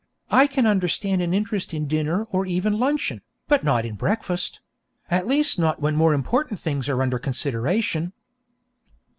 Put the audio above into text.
I can understand an interest in dinner or even in luncheon, but not in breakfast; at least not when more important things are under consideration.